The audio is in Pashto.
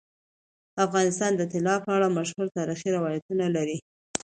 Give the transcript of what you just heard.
افغانستان د طلا په اړه مشهور تاریخی روایتونه لري.